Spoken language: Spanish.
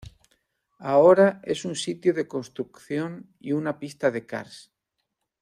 Ahora es un sitio de construcción y una pista de karts.